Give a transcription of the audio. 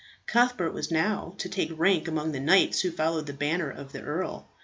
Cuthbert was now to take rank among the knights who followed the banner of the earl.